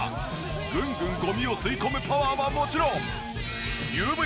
グングンゴミを吸い込むパワーはもちろん。